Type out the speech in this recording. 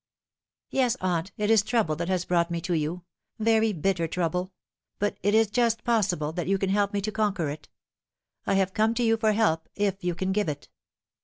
" Yes, aunt, it is trouble that has brought me to you very bitter trouble ; but it is just possible that you can help me to conquer it. I have come to you for help, if you can give it."